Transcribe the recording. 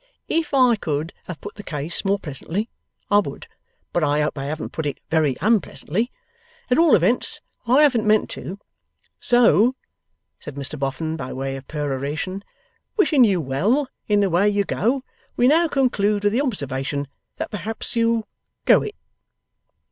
If I could have put the case more pleasantly I would; but I hope I haven't put it very unpleasantly; at all events I haven't meant to. So,' said Mr Boffin, by way of peroration, 'wishing you well in the way you go, we now conclude with the observation that perhaps you'll go it.